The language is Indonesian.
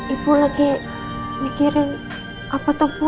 ibu lagi mikirin apa tuh bu